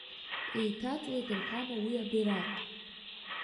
Еиҭаҵуеит рҳәама уи абираҟ?